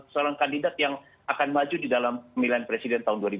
seorang kandidat yang akan maju di dalam pemilihan presiden tahun dua ribu dua puluh